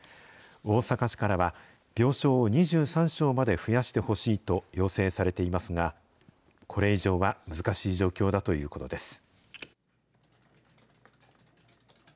大阪市からは、病床を２３床まで増やしてほしいと要請されていますが、これ以上は難しい状況だということです。